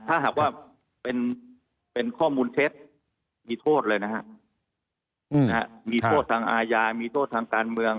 ถ้าหากว่าเป็นข้อมูลเท็จมีโทษเลยนะฮะมีโทษทางอาญามีโทษทางการเมือง